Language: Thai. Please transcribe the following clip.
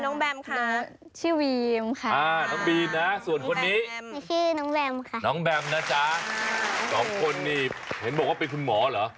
น้องแบมค่ะน้องแบมนะจ๊ะจอบคนนี่เห็นบอกว่าเป็นคุณหมอเหรอ